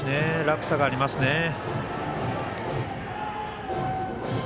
落差がありますね。